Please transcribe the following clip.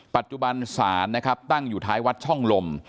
ปัจจุบันศาลนะครับตั้งอยู่ท้ายวัดช่องลม